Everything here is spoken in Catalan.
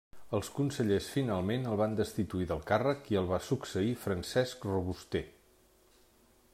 Els consellers finalment el van destituir del càrrec i el va succeir Francesc Robuster.